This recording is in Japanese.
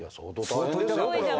これは。